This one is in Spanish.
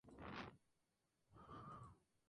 El animal tiene hábitos nocturnos y arborícolas.